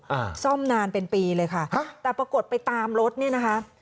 อ่าซ่อมนานเป็นปีเลยค่ะฮะแต่ปรากฏไปตามรถเนี้ยนะคะ